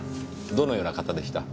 どのような方でした？